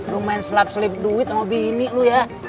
lu main selap selip duit sama bini lu ya